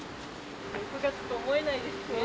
６月と思えないですね。